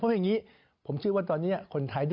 เพราะแบบนี้ผมที่ตอนนี้ถึงคนไทย